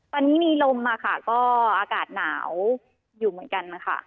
ตอนนี้มีลมค่ะก็อากาศหนาวอยู่เหมือนกันค่ะ